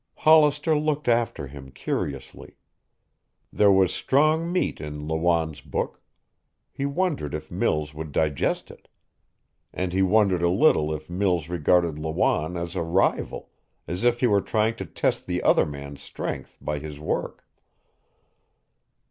Hollister looked after him curiously. There was strong meat in Lawanne's book. He wondered if Mills would digest it. And he wondered a little if Mills regarded Lawanne as a rival, if he were trying to test the other man's strength by his work.